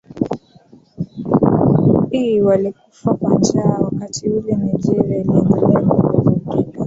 i walikufa kwa njaa wakati ule Nigeria iliendelea kuvurugika